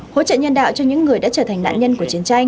hỗ trợ nhân đạo cho những người đã trở thành nạn nhân của chiến tranh